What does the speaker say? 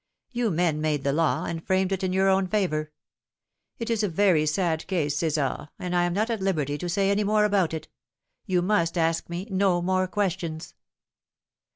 You men made the law, and framed it in your own favour. It is a very sad case, Cesar, and I am not at liberty to say any more about it. You must ask me no more questions."